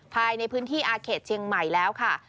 ภายในพื้นที่อาเขตเชียงใหม่แล้วค่ะ